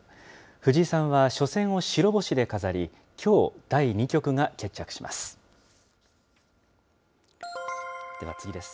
藤井さんは初戦を白星で飾り、きょう、第２局が決着します。